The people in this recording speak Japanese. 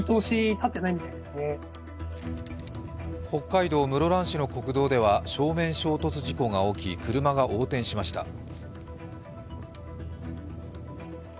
北海道室蘭市の国道では正面衝突事故が起き車が横転しました。